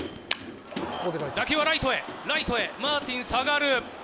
打球はライトへ、ライトへ、マーティン下がる。